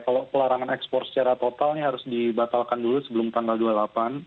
kalau pelarangan ekspor secara totalnya harus dibatalkan dulu sebelum tanggal dua puluh delapan